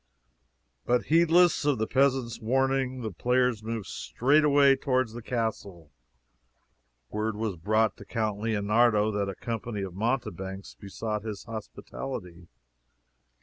But heedless of the peasant's warning, the players moved straightway toward the castle. Word was brought to Count Leonardo that a company of mountebanks besought his hospitality.